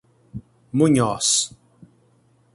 Munhoz